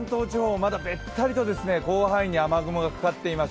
まだべったりと、広範囲に雨雲がかかっています。